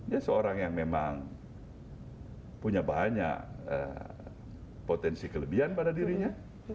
dia seorang yang memang punya banyak potensi kelebihan pada dirinya